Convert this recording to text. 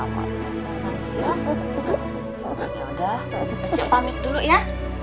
yaudah ece pamit dulu ya